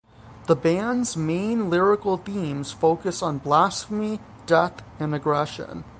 The band's main lyrical themes focus on blasphemy, death, and aggression.